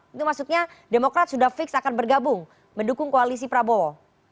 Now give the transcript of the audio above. itu maksudnya demokrat sudah fix akan bergabung mendukung koalisi prabowo